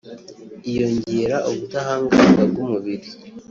iyongera ubudahangarwa bw’umubiri